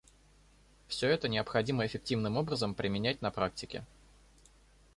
Все это необходимо эффективным образом применять на практике.